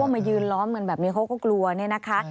ถ้าว่าอยู่น่าร้อนเงินโดยยืดกลัวเลยเนี่ย